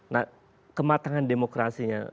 nah kematangan demokrasinya